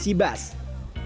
yaitu sir chilian seabass